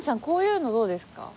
こういうのどうですか？